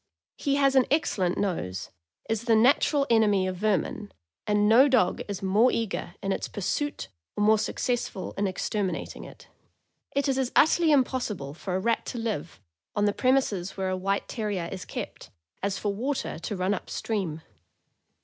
He has an excellent nose, is the natural enemy of ver min, and no dog is more eager in its pursuit or more suc cessful in exterminating it. It is as utterly impossible for a rat to live, on the premises where a White Terrier is kept, as for water to run up stream.